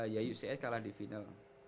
yayu cs kalah di final